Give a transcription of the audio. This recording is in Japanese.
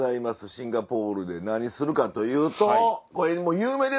シンガポールで何するかというとこれもう有名ですよね。